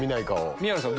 宮野さん